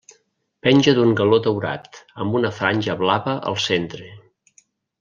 Penja d'un galó daurat, amb una franja blava al centre.